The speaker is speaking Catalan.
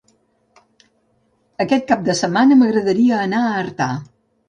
Aquest cap de setmana m'agradaria anar a Artà.